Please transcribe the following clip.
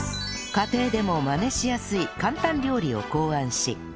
家庭でもマネしやすい簡単料理を考案し